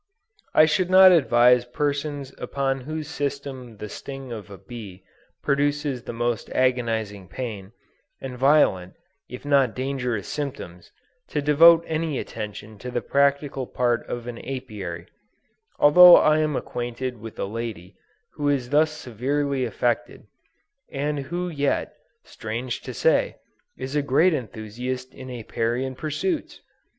I should not advise persons upon whose system the sting of a bee produces the most agonizing pain, and violent, if not dangerous symptoms, to devote any attention to the practical part of an Apiary; although I am acquainted with a lady who is thus severely affected, and who yet, strange to say, is a great enthusiast in Apiarian pursuits!